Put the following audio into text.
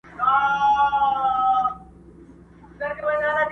د خیال پر ښار مي لکه ستوری ځلېدلې!!